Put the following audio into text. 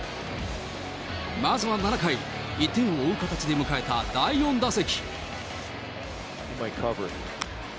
まずは７回、１点を追う形で迎えた第４打席。